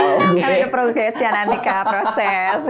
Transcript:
karena itu profesi nanti kak proses